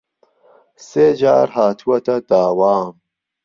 سێ جار هاتووەتە داوام